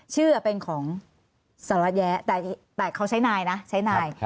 ชื่อเป็นของสารวัตรแยะแต่เขาใช้นายนะใช้นาย